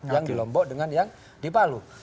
yang di lombok dengan yang di palu